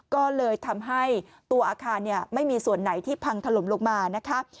ก็เลยทำให้ตัวอาคารไม่มีส่วนไหนที่พังถล่มลงมานะคะ